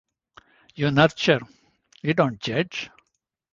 You nurture, you don't judge.